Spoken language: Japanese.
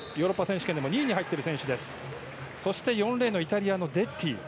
そして４レーンはイタリアのデッティ。